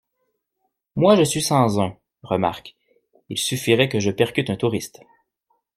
moi je suis sans un. Remarque, il suffirait que je percute un touriste